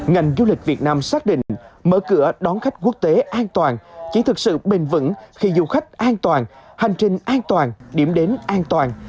ngành du lịch việt nam xác định mở cửa đón khách quốc tế an toàn chỉ thực sự bền vững khi du khách an toàn hành trình an toàn điểm đến an toàn